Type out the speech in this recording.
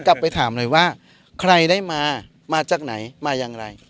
กลับไปถามหน่อยว่าใครได้มามาจากไหนมาอย่างไร